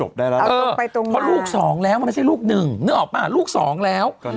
เพราะลูก๒แล้วไม่ใช่ลูก๑นึกออกปะลูก๒แล้ว